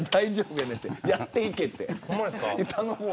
やっていけって。